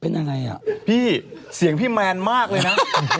เป็นอะไรอ่ะพี่เสียงพี่แมนมากเลยนะ